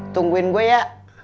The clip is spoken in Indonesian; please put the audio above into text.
tungguin gue ya